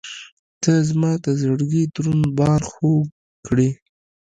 • ته زما د زړګي دروند بار خوږ کړې.